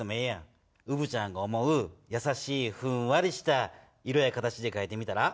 うぶちゃんが思うやさしいふんわりした色や形でかいたら。